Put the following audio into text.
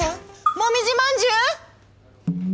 もみじまんじゅう？」